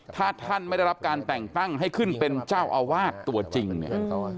ถ้าท่านไม่ได้รับการแต่งตั้งให้ขึ้นเป็นเจ้าอาวาสตัวจริงเนี่ย